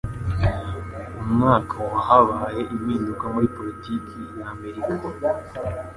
Umwaka wa habaye impinduka muri politiki ya Amerika.